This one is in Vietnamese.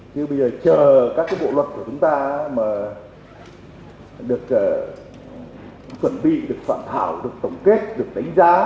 nhưng bây giờ chờ các bộ luật của chúng ta mà được chuẩn bị được soạn thảo được tổng kết được đánh giá